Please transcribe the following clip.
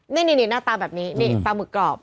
นี่เน้้อตาแบบนี้ปลาหมึกกรอบ